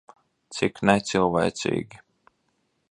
Cik necilvēcīgi.